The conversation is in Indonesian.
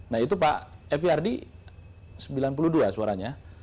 nah itu pak fyard sembilan puluh dua suaranya